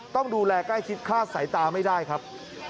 ต้องดูแลใกล้ชิดคลาดสายตาไม่ได้ครับ